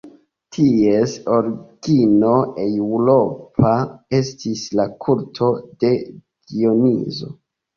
Ties origino eŭropa estis la kulto de Dionizo.